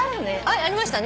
ありましたね。